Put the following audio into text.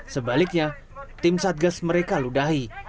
sebaliknya tim satgas mereka ludahi